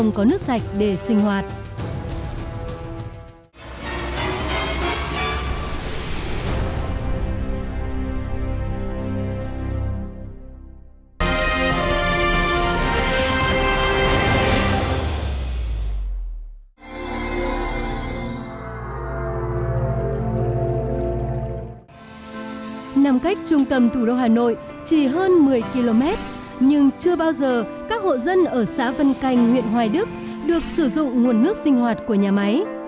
nằm cách trung tâm thủ đô hà nội chỉ hơn một mươi km nhưng chưa bao giờ các hộ dân ở xã vân canh huyện hoài đức được sử dụng nguồn nước sinh hoạt của nhà máy